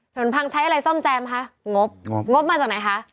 ถนนพังใช้อะไรซ่อมแซมคะงบงบมาจากไหนคะ